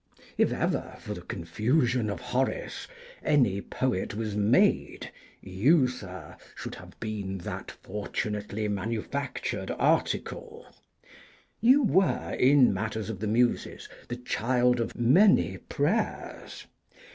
If ever, for the confusion of Horace, any Poet was Made, you, Sir, should have been that fortunately manufactured article. You were, in matters of the Muses, the child of many prayers.